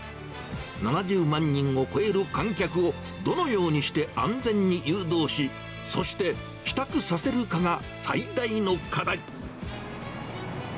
７０万人を超える観客をどのようにして安全に誘導し、そして帰宅させるかが最大の課題。